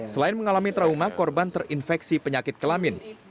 selain mengalami trauma korban terinfeksi penyakit kelamin